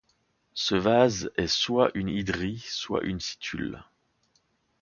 Ce vase est soit une hydrie, soit une situle.